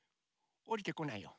おりてこないよ。